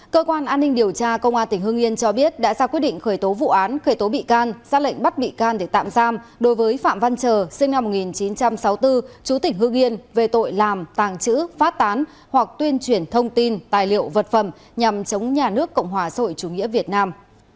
cơ quan an ninh điều tra công an tỉnh hương yên cho biết đã ra quyết định khởi tố vụ án khởi tố bị can xác lệnh bắt bị can để tạm giam đối với phạm văn trờ sinh năm một nghìn chín trăm sáu mươi bốn chú tỉnh hương yên về tội làm tàng trữ phát tán hoặc tuyên truyền thông tin tài liệu vật phẩm nhằm chống nhà nước cộng hòa sội chủ nghĩa việt nam